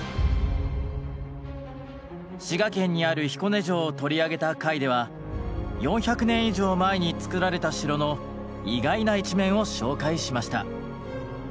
滋賀県にある彦根城を取り上げた回では４００年以上前に造られた城の意外な一面を紹介しました。